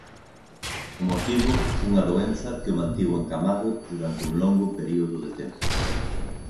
O motivo: unha doenza que o mantivo encamado durante un longo período de tempo.